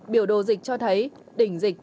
biểu đồ dịch cho thấy đỉnh dịch